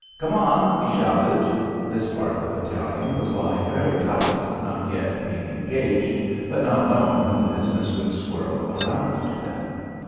"Come on!" he shouted. This part of the battalion was lying very tight, not yet being engaged, but not knowing when the business would swirl around to them.